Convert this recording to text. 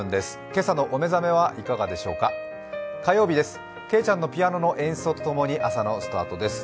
けいちゃんのピアノの演奏とともに朝のスタートです。